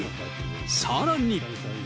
さらに。